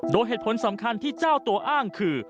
โดยเหตุผลสำคัญที่เจ้าตัวอ้างคือ